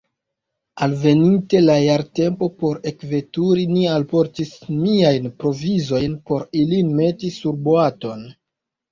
Alveninte la jartempo por ekveturi, ni alportis miajn provizojn por ilin meti surboaton.